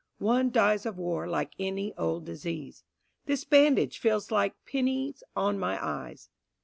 One dies of war like any old disease. This bandage feels like pennies on my eyes.